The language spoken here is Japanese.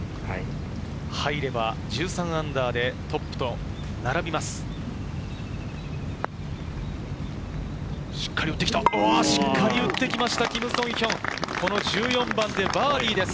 入れば−１３でトップと並びます。